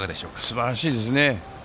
すばらしいですね。